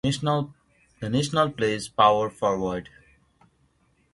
The national plays Power forward.